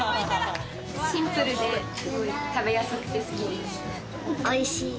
シンプルですごい食べやすくて好きです。